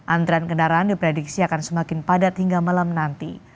antrian kendaraan diprediksi akan semakin padat hingga malam nanti